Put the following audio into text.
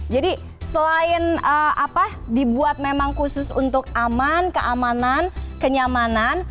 jadi selain dibuat memang khusus untuk aman keamanan kenyamanan